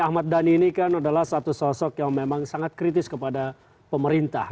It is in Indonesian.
ahmad dhani ini kan adalah satu sosok yang memang sangat kritis kepada pemerintah